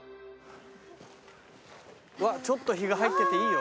ちょっと日が入ってていいよ。